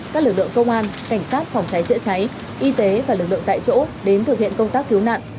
các lực lượng công an cảnh sát phòng cháy chữa cháy y tế và lực lượng tại chỗ đến thực hiện công tác cứu nạn